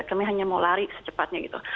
kami hanya mau lari secepatnya gitu